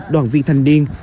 đoàn viên thanh niên